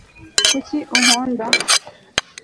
kuki unkunda